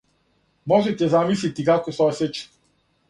Можете замислити како се осећам.